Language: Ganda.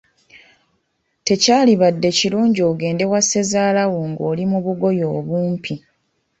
Tekyalibadde kirungi ogende wa Ssezaalawo nga oli mu bugoye obumpi.